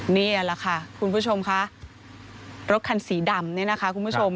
นี่แหละค่ะคุณผู้ชมค่ะรถคันสีดำเนี่ยนะคะคุณผู้ชม